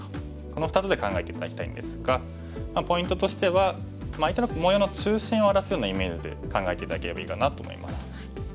この２つで考えて頂きたいんですがポイントとしては相手の模様の中心を荒らすようなイメージで考えて頂ければいいかなと思います。